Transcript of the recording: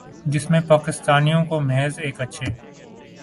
جس میں پاکستانیوں کو محض ایک اچھے